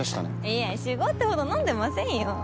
いや酒豪ってほど飲んでませんよ。